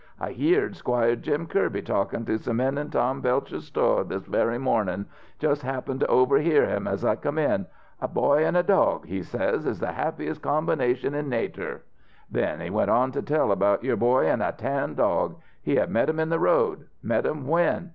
I heered Squire Jim Kirby talkin' to some men in Tom Belcher's sto' this very mornin'; just happened to overhear him as I come in. 'A boy an' a dog,' he says, 'is the happiest combination in nater.' Then he went on to tell about your boy an' a tan dog. He had met 'em in the road. Met 'em when?